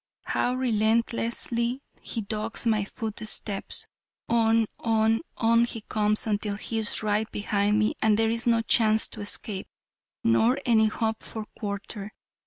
How relentlessly he dogs my footsteps. On, on, on he comes until he is right behind me and there is no chance to escape nor any hope for quarter.